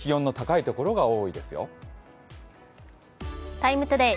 「ＴＩＭＥ，ＴＯＤＡＹ」